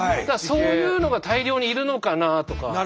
そういうのが大量にいるのかなとか。